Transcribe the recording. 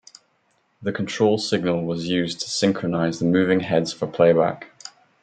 The control signal was used to synchronize the moving heads for playback.